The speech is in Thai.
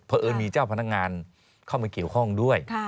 เพราะเอิญมีเจ้าพนักงานเข้ามาเกี่ยวข้องด้วย